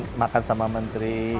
ada makan sama menteri